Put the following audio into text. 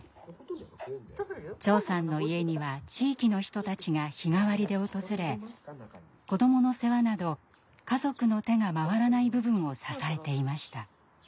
長さんの家には地域の人たちが日替わりで訪れ子どもの世話など家族の手が回らない部分を支えていました。